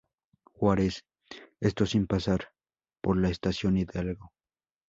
Juárez, esto sin pasar por la estación Hidalgo.